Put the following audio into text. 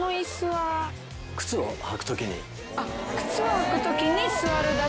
靴を履くときに。